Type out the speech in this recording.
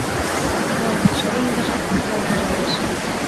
Ой, шереҥгыжат йылгыжалеш